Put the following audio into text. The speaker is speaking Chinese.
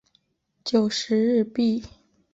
九十日币